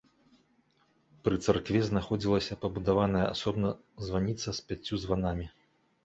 Пры царкве царкве знаходзілася, пабудаваная асобна званіца з пяццю званамі.